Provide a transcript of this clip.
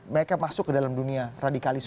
mereka masuk ke dalam dunia radikalisme